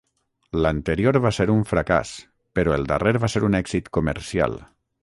L'anterior va ser un fracàs, però el darrer va ser un èxit comercial.